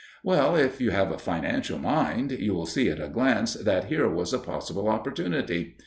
Well, if you have a financial mind, you will see at a glance that here was a possible opportunity.